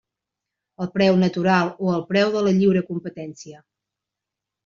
El preu natural o el preu de la lliure competència.